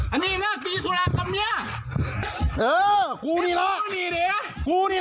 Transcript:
อันนี้เนี้ยตีสุรากรรมเนี้ยเออกูนี่หรอนี่เนี้ยกูนี่หรอ